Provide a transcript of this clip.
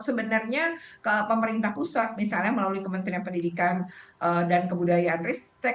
sebenarnya ke pemerintah pusat misalnya melalui kementerian pendidikan dan kebudayaan ristek